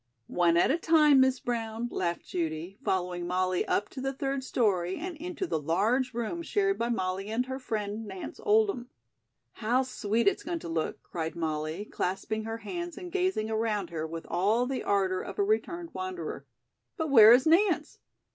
"One at a time, Miss Brown," laughed Judy, following Molly up to the third story and into the large room shared by Molly and her friend, Nance Oldham. "How sweet it's going to look," cried Molly, clasping her hands and gazing around her with all the ardor of a returned wanderer. "But where is Nance?"